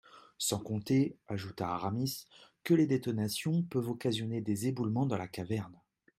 Sans compter, ajouta Aramis, que les détonations peuvent occasionner des éboulements dans la caverne.